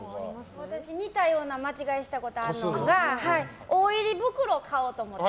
私似たような間違いしたことあるのが大入り袋を買おうと思って。